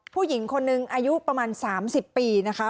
ผู้หญิงคนนึงอายุประมาณ๓๐ปีนะคะ